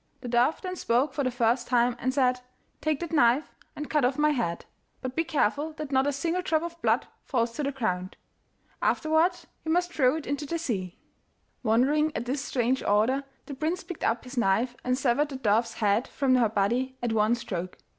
The dove then spoke for the first time and said, 'Take that knife and cut off my head, but be careful that not a single drop of blood falls to the ground. Afterwards you must throw it into the sea.' Wondering at this strange order, the prince picked up his knife and severed the dove's head from her body at one stroke.